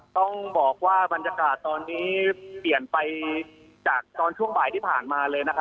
ต้องบอกว่าบรรยากาศตอนนี้เปลี่ยนไปจากตอนช่วงบ่ายที่ผ่านมาเลยนะคะ